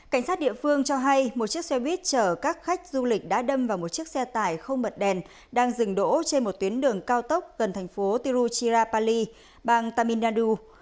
cảnh sát địa phương cho hay một chiếc xe buýt chở các khách du lịch đã đâm vào một chiếc xe tải không bật đèn đang dừng đỗ trên một tuyến đường cao tốc gần thành phố tiruchira pali bang taminadu